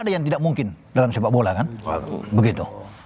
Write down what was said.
ada yang tidak mungkin dalam sepak bola kan begitu